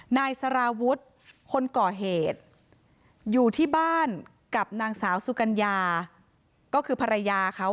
นายสารวุฒิคนก่อเหตุอยู่ที่บ้านกับนางสาวสุกัญญาก็คือภรรยาเขา